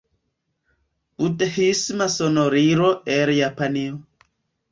Budhisma sonorilo el Japanio.